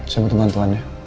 saya butuh bantuannya